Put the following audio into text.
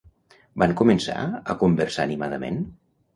Van començar a conversar animadament?